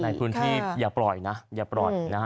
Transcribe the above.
ในพื้นที่อย่าปล่อยนะอย่าปล่อยนะฮะ